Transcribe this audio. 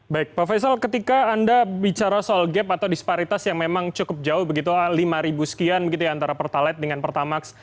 baik pak faisal ketika anda bicara soal gap atau disparitas yang memang cukup jauh begitu lima sekian begitu ya antara pertalite dengan pertamax